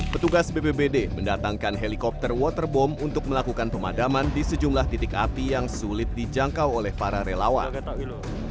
petugas bpbd mendatangkan helikopter waterbom untuk melakukan pemadaman di sejumlah titik api yang sulit dijangkau oleh para relawan